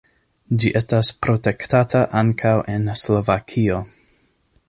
Ĝi estas protektata ankaŭ en Slovakio.